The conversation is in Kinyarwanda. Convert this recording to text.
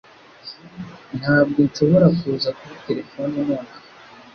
Ntabwo nshobora kuza kuri terefone nonaha